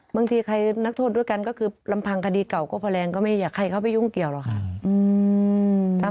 บางทีใครนักโทษด้วยกันก็คือลำพังคดีเก่าก็พอแรงก็ไม่อยากให้ใครเข้าไปยุ่งเกี่ยวหรอกค่ะ